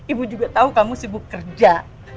ibu juga tahu kamu sibuk kerja